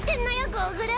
ゴーグル！